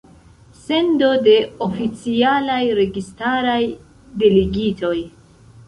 Sendo de oficialaj registaraj delegitoj.